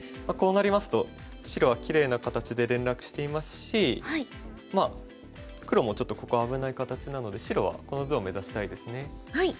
こうなりますと白はきれいな形で連絡していますし黒もちょっとここは危ない形なので白はこの図を目指したいですね。